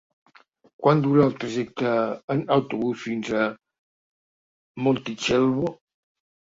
Quant dura el trajecte en autobús fins a Montitxelvo?